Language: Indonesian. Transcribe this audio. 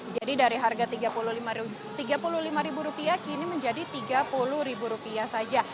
jadi dari harga tiga puluh lima ribu rupiah kini menjadi tiga puluh ribu rupiah saja